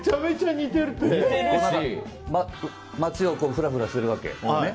街をふらふらしてるわけ。